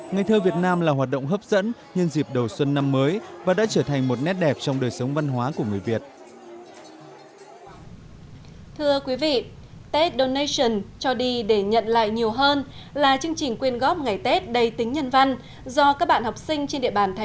ngày thơ việt nam là hoạt động hấp dẫn nhân dịp đầu xuân năm mới và đã trở thành một nét đẹp trong đời sống văn hóa của người việt